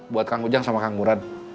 buat kang ujang sama kang buran